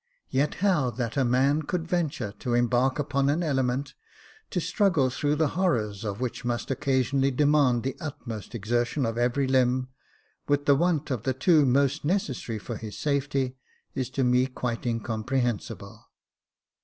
Yet how that a man could venture to embark upon an element, to struggle through the horrors of which must occasionally demand the utmost I04 Jacob Faithful exertion of every limb, with the want of the two most necessary for his safety, is to me quite incomprehensible."